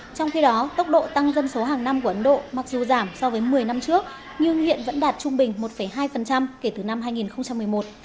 trong khi đó tốc độ tăng dân số hàng năm của ấn độ mặc dù giảm so với một mươi năm trước nhưng hiện vẫn đạt trung bình một hai kể từ năm hai nghìn một mươi một